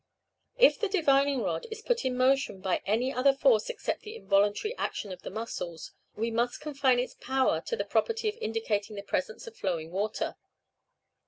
If the divining rod is put in motion by any other force except the involuntary action of the muscles, we must confine its powers to the property of indicating the presence of flowing water.